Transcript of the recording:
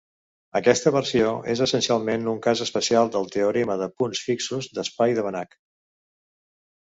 Aquesta versió és essencialment un cas especial del teorema de punts fixos d'espai de Banach.